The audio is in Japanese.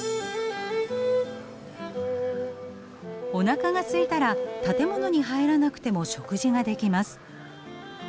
おなかがすいたら建物に入らなくても食事ができます。